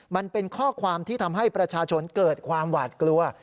มันเป็นข้อความที่ทำให้ประชาชนเกิดความหวาดกลัว